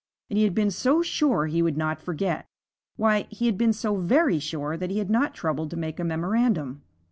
And he had been so sure he would not forget. Why, he had been so very sure that he had not troubled to make a memorandum.